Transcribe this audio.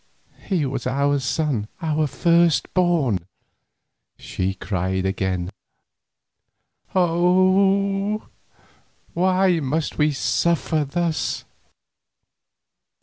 "He was our son, our first born," she cried again. "Oh! why must we suffer thus?"